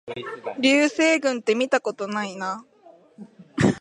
流星群ってみたことないな